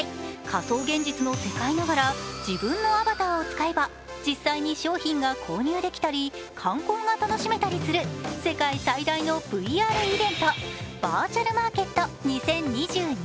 仮想現実の世界ながら自分のアバターを使えば実際に商品が購入できたり観光が楽しめたりする世界最大のＶＲイベント、バーチャルマーケット２０２２。